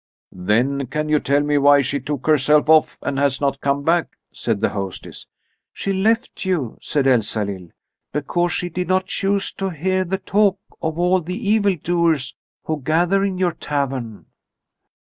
"Then you can tell me why she took herself off and has not come back," said the hostess. "She left you," said Elsalill, "because she did not choose to hear the talk of all the evildoers who gather in your tavern."